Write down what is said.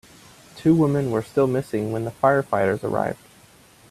Two women were still missing when the firefighters arrived.